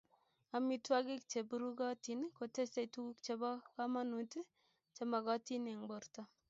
Amitwogik che burukotin kotesei tuguk chebo komonut che mogotin eng borto